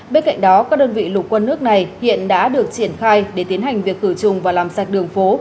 bên cạnh đó các đơn vị lục quân nước này hiện đã được triển khai để tiến hành việc khử trùng và làm sạch đường phố